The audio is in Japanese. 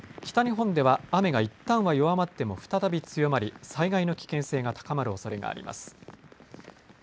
東北の日本海側を中心に北日本では雨がいったんは弱まっても再び強まり災害の危険性が高まるおそれがあります